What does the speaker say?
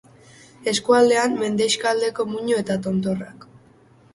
Eskuinaldean Mendexa aldeko muino eta tontorrak.